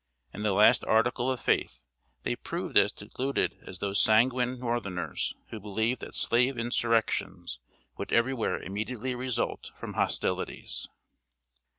In the last article of faith they proved as deluded as those sanguine northerners who believed that slave insurrections would everywhere immediately result from hostilities.